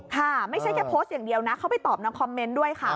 ค่ะไม่ใช่แค่โพสต์อย่างเดียวนะเขาไปตอบนางคอมเมนต์ด้วยค่ะ